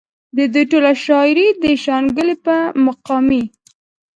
د دوي ټوله شاعري د شانګلې پۀ مقامي